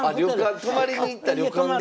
泊まりに行った旅館で。